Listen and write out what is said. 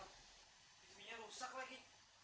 tv nya rusak lagi